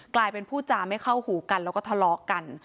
กลายเป็นผู้จาไม่เข้าหูกันแล้วก็ทะเลาะกัน